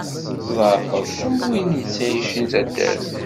Tḍeɛfeḍ, am win ittɛicin taddart.